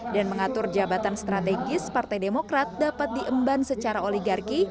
dan mengatur jabatan strategis partai demokrat dapat diemban secara oligarki